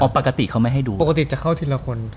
ปกติเขาไม่ให้ดูปกติจะเข้าทีละคน